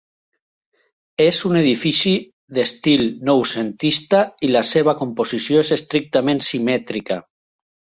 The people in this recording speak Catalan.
És un edifici d'estil noucentista i la seva composició és estrictament simètrica.